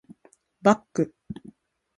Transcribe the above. バック